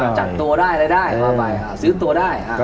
จับตัวได้อะไรได้ซื้อตัวได้